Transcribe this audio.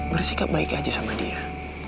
bersikap baik aja sama dia